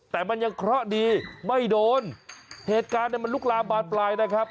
แต่มันยังเคราะห์ดีไม่โดนเหตุการณ์เนี่ยมันลุกลามบานปลายนะครับ